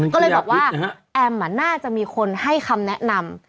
ก็เลยบอกว่าแอมน่าจะมีคนให้คำแนะนำ